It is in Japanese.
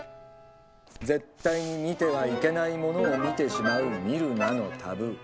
絶対に見てはいけないものを見てしまう「見るな」のタブー。